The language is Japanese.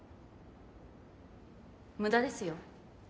無駄ですよ。